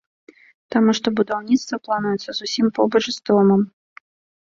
Таму што будаўніцтва плануецца зусім побач з домам.